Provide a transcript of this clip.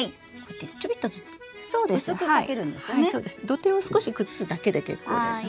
土手を少し崩すだけで結構です。